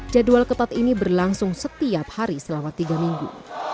jadwal ketat ini berlangsung setiap hari selama tiga minggu